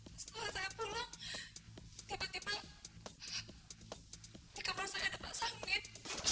setelah saya pulang tiba tiba di kamar saya dapat sanggit